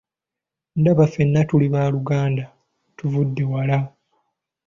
Ndaba ffena tuli baaluganda, tuvudde wala!